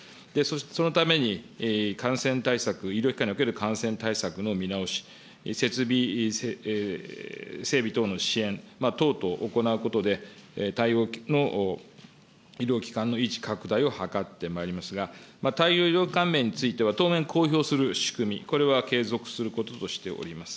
そのために感染対策、感染対策の見直し、設備整備等の支援等々行うことで、対応の医療機関の維持拡大を図ってまいりますが、対応医療関連については当面、公表する仕組み、これは継続することとしております。